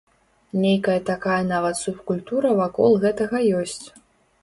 Нейкая такая нават субкультура вакол гэтага ёсць.